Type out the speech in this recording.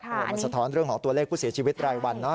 มันสะท้อนเรื่องของตัวเลขผู้เสียชีวิตรายวันนะ